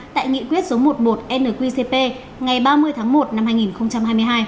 tại nghị quyết số một mươi một nqcp ngày ba mươi tháng một năm hai nghìn hai mươi hai